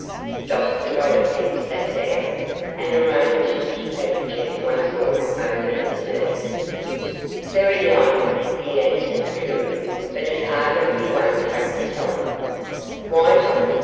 Dr Gollipeck sat down, and arranged his handkerchief once more over his knees. 'Very likely,' he answered, coolly, 'but a target you won't practise on.' 'Why not?